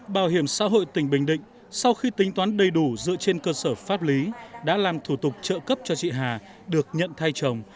bảo hiểm xã hội tỉnh bình định sau khi tính toán đầy đủ dựa trên cơ sở pháp lý đã làm thủ tục trợ cấp cho chị hà được nhận thay chồng